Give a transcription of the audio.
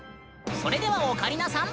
それではオカリナさん